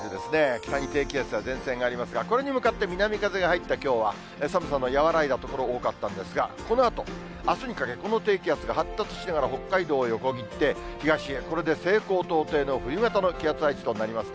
北に低気圧や前線がありますが、これに向かって南風が入ったきょうは、寒さの和らいだ所が多かったんですが、このあと、あすにかけ、この低気圧が発達しながら北海道を横切って、東へ、これで西高東低の冬型の気圧配置となりますね。